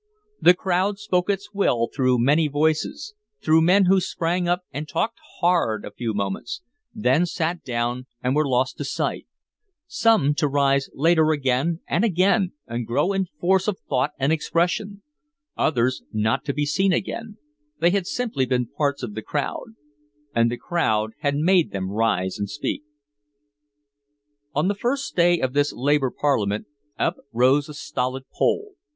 The crowd spoke its will through many voices, through men who sprang up and talked hard a few moments, then sat down and were lost to sight some to rise later again and again and grow in force of thought and expression, others not to be seen again, they had simply been parts of the crowd, and the crowd had made them rise and speak. On the first day of this labor parliament, up rose a stolid Pole.